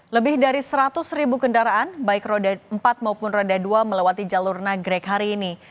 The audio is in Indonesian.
lebih dari seratus ribu kendaraan baik roda empat maupun roda dua melewati jalur nagrek hari ini